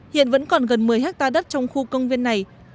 hiện vẫn còn gần một mươi hectare đất trong khu công viên này